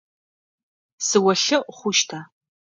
Сыолъэӏу хъущта?